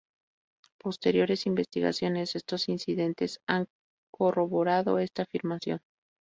Posteriores investigaciones de estos "incidentes" han corroborado esta afirmación.